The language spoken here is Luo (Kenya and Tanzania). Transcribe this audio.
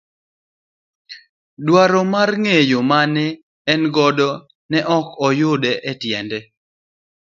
Dwaro mar ng'eyo mane en godo ne ok oyudo tiende.